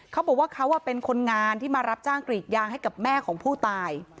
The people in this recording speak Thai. เขาบอกว่าเขาเป็นคนงานที่มารับจ้างกรีดยางให้กับแม่ของผู้ตาย